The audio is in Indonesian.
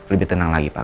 lebih tenang lagi pak